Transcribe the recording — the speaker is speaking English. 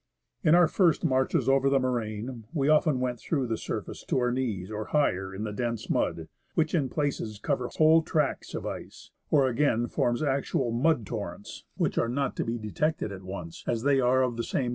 In our first marches over the moraine, we often went through the surface to our knees or higher in the dense mud, which in places covers whole tracts of ice, or again forms actual mud torrents which are not to be detected at once, as they are of the same colour as the 76 IflHIB^^^^^^^^^I^^^HC^s^^"''